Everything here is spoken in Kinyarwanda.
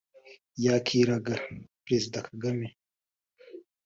yakiraga Perezida Kagame